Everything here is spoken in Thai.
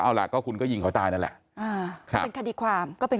เอาล่ะก็คุณก็ยิงเขาตายนั่นแหละอ่าครับเป็นคดีความก็เป็น